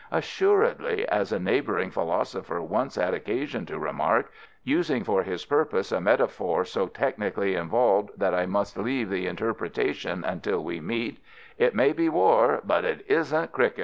Assuredly, as a neighbouring philosopher once had occasion to remark, using for his purpose a metaphor so technically involved that I must leave the interpretation until we meet, "It may be war, but it isn't cricket."